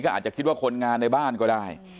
อาจจะคิดว่าคนงานในบ้านก็ได้